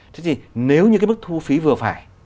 thế thì nếu như cái mức thu phí vừa phải